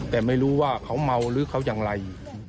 แต่ไม่รู้ว่าเขาเมาหรือเขาอย่างไร